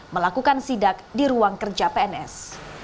melakukan sidak di ruang kerja pns